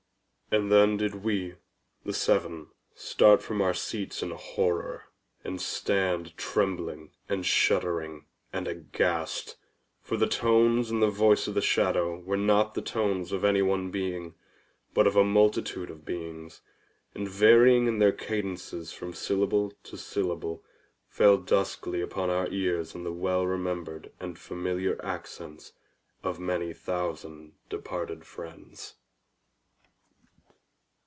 And then did we, the seven, start from our seats in horror, and stand trembling, and shuddering, and aghast, for the tones in the voice of the shadow were not the tones of any one being, but of a multitude of beings, and, varying in their cadences from syllable to syllable fell duskly upon our ears in the well remembered and familiar accents of many thousand departed friends.